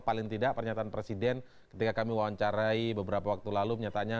paling tidak pernyataan presiden ketika kami wawancarai beberapa waktu lalu menyatakan